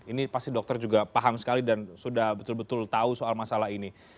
ini pasti dokter juga paham sekali dan sudah betul betul tahu soal masalah ini